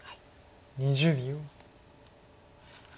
２０秒。